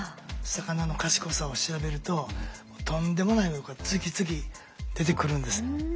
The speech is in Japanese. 魚の賢さを調べるととんでもないことが次々出てくるんです。